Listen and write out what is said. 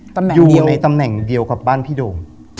ตำแหน่งอยู่ในตำแหน่งเดียวกับบ้านพี่โดม